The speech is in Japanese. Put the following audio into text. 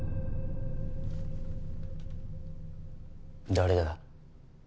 誰だ？